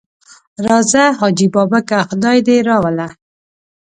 راځه حاجي بابکه خدای دې راوله.